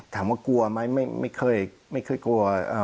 ถามว่ากลัวไหมไม่เคยกลัว